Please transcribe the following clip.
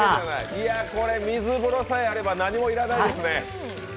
これ、水風呂さえあれば何も要らないですね？